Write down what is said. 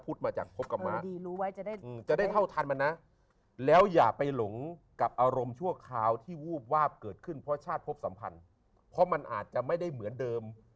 มาจากพบกับมันดีรู้ไว้จะได้เท่าทันมันนะแล้วอย่าไปหลงกับอารมณ์ชั่วคราวที่วูบวาบเกิดขึ้นเพราะชาติพบสัมพันธ์เพราะมันอาจจะไม่ได้เหมือนเดิม